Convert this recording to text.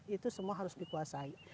itu semua harus dikuasai